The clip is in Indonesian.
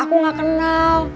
aku gak kenal